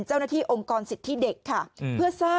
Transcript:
เจ้าหน้าที่องค์กรสิทธิเด็กค่ะ